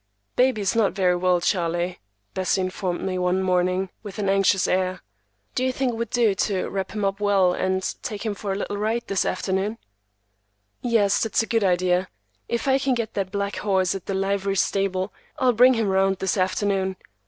"Baby is not very well, Charlie," Bessie informed me, one morning, with an anxious air. "Do you think it would do to wrap him up well and take him for a little ride this afternoon?" "Yes, that's a good idea. If I can get that black horse at the livery stable, I'll bring him around this afternoon.